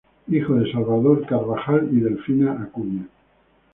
Hijo de Salvador Carvajal y Delfina Acuña.